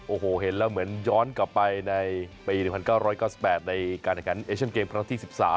โอ้โหเห็นแล้วเหมือนย้อนกลับไปในปี๑๙๙๘ในการแข่งขันเอเชียนเกมครั้งที่๑๓